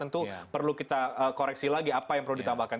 tentu perlu kita koreksi lagi apa yang perlu ditambahkan